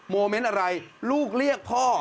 โมเมนต์อะไรลูกเรียกพ่อ